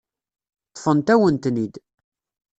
Ṭṭfent-awen-ten-id.